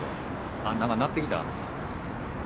あっなんか鳴ってきた。